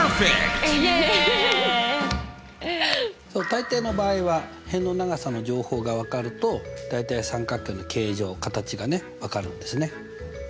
大抵の場合は辺の長さの情報がわかると大体三角形の形状形がねわかるんですね。